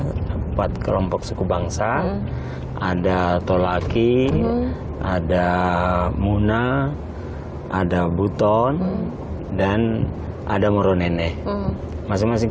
ada empat kelompok suku bangsa ada tolaki ada muna ada buton dan ada moro nenek masing masing